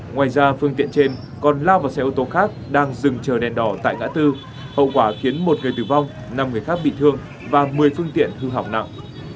ngoài ra phương tiện trên còn lao vào xe ô tô khác đang dừng chờ đèn đỏ tại ngã tư hậu quả khiến một người tử vong năm người khác bị thương và một mươi phương tiện hư hỏng nặng